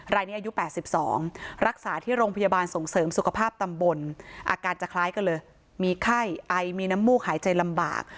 รายนี้อายุ๘๒รักษาที่โรงพยาบาลส่งเสริมสุขภาพตำบลอาการจะคล้ายกันเลยมีไข้ไอมีน้ำมูกหายใจลำบาก